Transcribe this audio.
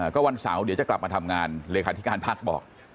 ก็วันเสาร์เดี๋ยวจะกลับมาทำงานเลขาธิการพักบอก